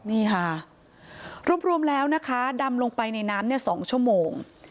นี่ค่ะรวมแล้วนะคะดำลงไปในน้ำ๒ชั่วโมง